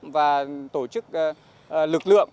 và tổ chức lực lượng